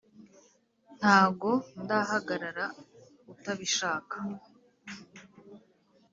ntago ndahagarara utabishaka